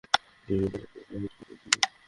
তুই বিয়েতে রাজি না-কি রাজি নয়?